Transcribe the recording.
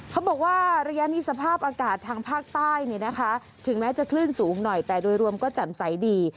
เขาบอกว่าระยะนี้สภาพอากาศทางภาคใต้เนี่ยนะคะถึงแม้จะคลื่นสูงหน่อยแต่โดยรวมก็จำใสดี